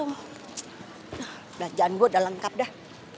nah belanjaan gue udah lengkap dah